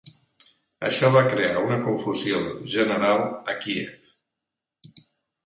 Això va crear una confusió general a Kíev.